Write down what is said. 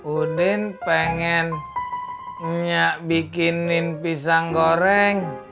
udin pengen bikinin pisang goreng